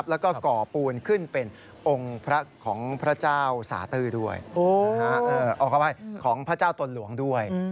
แล้วก็ก่อปูนขึ้นเป็นองค์ของพระเจ้าตนหลวงด้วย